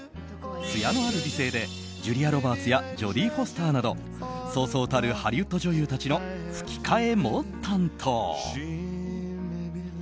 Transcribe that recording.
つやのある美声でジュリア・ロバーツやジョディ・フォスターなどそうそうたるハリウッド女優の吹き替えも担当。